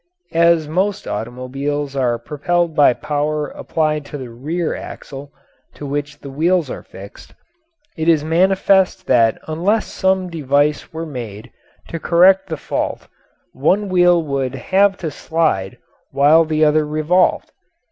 As most automobiles are propelled by power applied to the rear axle, to which the wheels are fixed, it is manifest that unless some device were made to correct the fault one wheel would have to slide while the other revolved.